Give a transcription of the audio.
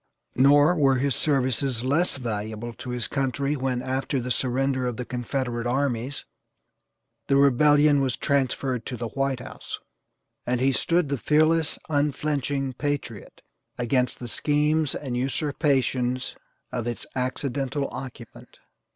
Nor were his services less valuable to his country when, after the surrender of the Confederate armies, the rebellion was transferred to the White House, and he stood the fearless, unflinching patriot against the schemes and usurpations of its accidental occupant.